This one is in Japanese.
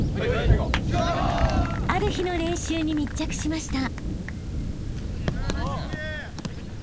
［ある日の練習に密着しました］